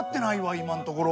今のところ。